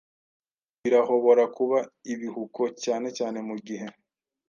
Birahobora kuba ibihuko, cyane cyane mugihe